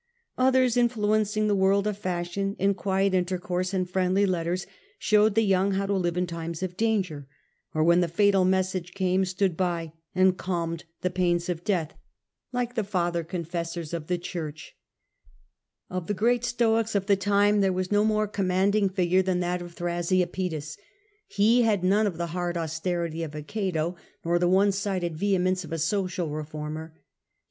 Others, influencing the world of fashion in quiet intercourse and friendly letters, showed the young how to live in times of danger ; or when the fatal message came stood by and calmed the pains of death, like the father confessors of the Church. Of the great Stoics of that time there was no more A, H. I 114 Earlier Empire, a.d. 54 ^. commanding figure than that of Thrasea Paetus. He had The charac none of the hard austerity of a Cato nor the of*Thrasea^ one sided vehemence of a social reformer ; he Paetus.